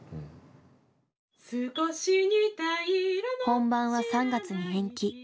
本番は３月に延期。